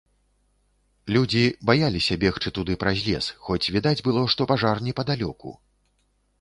Людзі баяліся бегчы туды праз лес, хоць відаць было, што пажар непадалёку.